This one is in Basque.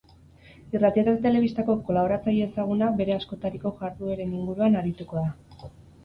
Irrati eta telebistako kolaboratzaile ezaguna bere askotariko jardueren inguruan arituko da.